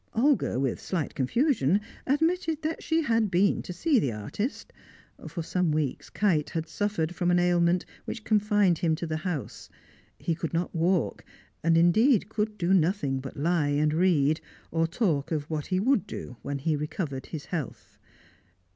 Olga, with slight confusion, admitted that she had been to see the artist. For some weeks Kite had suffered from an ailment which confined him to the house; he could not walk, and indeed could do nothing but lie and read, or talk of what he would do, when he recovered his health.